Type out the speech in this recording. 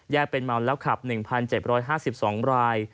เป็นเมาแล้วขับ๑๗๕๒ราย